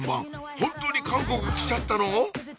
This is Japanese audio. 本当に韓国来ちゃったの⁉